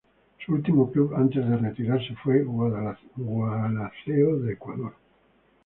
Su último club antes de retirarse fue Gualaceo de Ecuador.